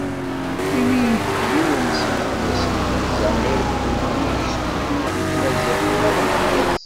Imi d yiwen seg yimeɣnasen imenza i irefden tikti n tmaziɣt d unaḍaḥ fell-as.